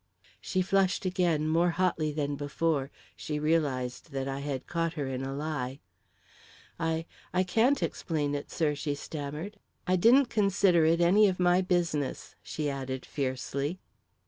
She flushed again, more hotly than before; she realised that I had caught her in a lie. "I I can't explain it, sir," she stammered. "I didn't consider it any of my business," she added fiercely.